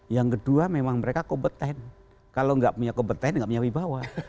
yang kedua memang mereka kompeten kalau nggak punya kompeten tidak punya wibawa